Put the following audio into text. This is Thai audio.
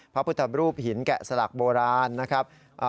พระพุทธรูปหินแกะสลักโบราณนะครับ